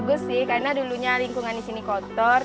bagus sih karena dulunya lingkungan di sini kotor